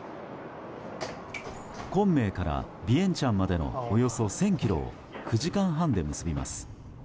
昆明からビエンチャンまでのおよそ１０００ｋｍを９時間半で結びます。